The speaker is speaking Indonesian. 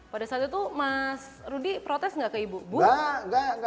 pada saat itu mas rudi protes tidak ke ibu